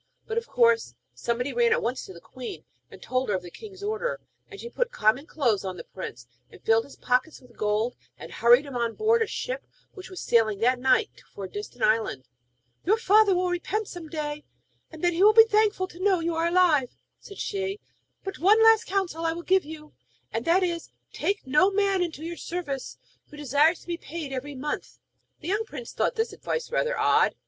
But of course somebody ran at once to the queen, and told her of the king's order, and she put common clothes on the prince, and filled his pockets with gold, and hurried him on board a ship which was sailing that night for a distant island. 'Your father will repent some day, and then he will be thankful to know you are alive,' said she. 'But one last counsel will I give you, and that is, take no man into your service who desires to be paid every month.' The young prince thought this advice rather odd.